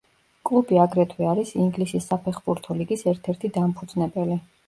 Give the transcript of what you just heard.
კლუბი აგრეთვე არის ინგლისის საფეხბურთო ლიგის ერთ-ერთი დამფუძნებელი.